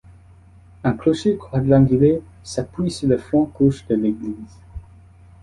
Un clocher quadrangulaire s'appuie sur le flanc gauche de l'église.